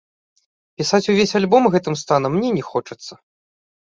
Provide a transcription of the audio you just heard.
Пісаць увесь альбом гэтым станам мне не хочацца.